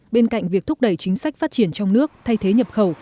bên cạnh việc thúc đẩy chính sách phát triển trong nước thay thế nhập khẩu